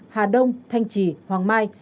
hà đông thanh trì hoàng mai